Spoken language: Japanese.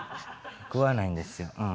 食わないんですよ。